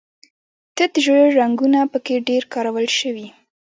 تت ژیړ رنګونه په کې ډېر کارول شوي.